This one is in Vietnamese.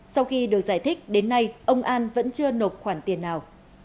sau khi được giải thích đến nay ông an vẫn chưa nộp khoản tiền nào